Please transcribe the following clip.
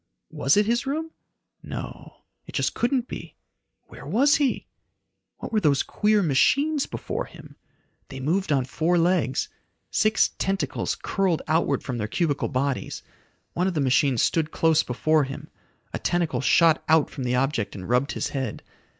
Was it his room! No It just couldn't be. Where was he? What were those queer machines before him? They moved on four legs. Six tentacles curled outward from their cubical bodies. One of the machines stood close before him. A tentacle shot out from the object and rubbed his head.